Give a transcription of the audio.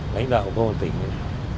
lãnh đạo của tỉnh